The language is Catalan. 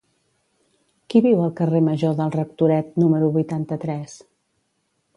Qui viu al carrer Major del Rectoret número vuitanta-tres?